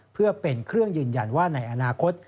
เพื่อเป็นเครื่องยืนยันว่าในอนาคต